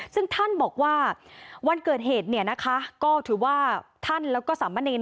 ซึ่งท่านบอกว่าวันเกิดเหตุเนี่ยนะคะก็ถือว่าท่านแล้วก็สามเณร